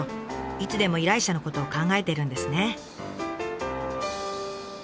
いつでも依頼者のことを考えてるんですね。